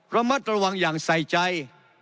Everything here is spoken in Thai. ระมัดระวังอย่างใส่ใจ